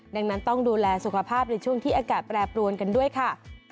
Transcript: ดังนั้นต้องดูแลสุขภาพในช่วงที่อากาศแปรปรวนกันด้วยค่ะ